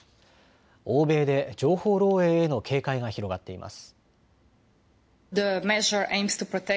欧米で情報漏えいへの警戒が広がっています。